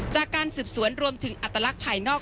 จากการสืบสวนรวมถึงอัตลักษณ์ภายนอก